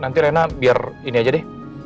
nanti rena biar ini aja deh